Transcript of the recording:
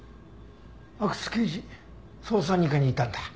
阿久津刑事捜査二課にいたんだ。